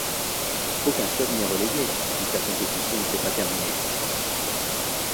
Aucun club n'est relégué vu que la compétition ne s'est pas terminée.